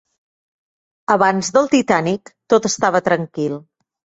Abans del "Titanic", tot estava tranquil.